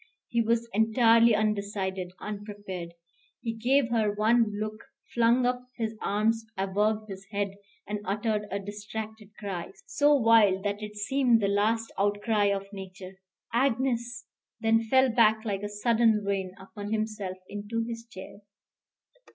He was entirely undecided, unprepared. He gave her one look, flung up his arms above his head, and uttered a distracted cry, so wild that it seemed the last outcry of nature, "Agnes!" then fell back like a sudden ruin, upon himself, into his chair.